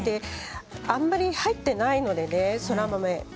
あんまり入っていないのでそら豆。